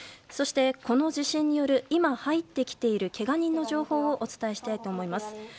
そして、この地震による今、入ってきているけが人の情報をお伝えします。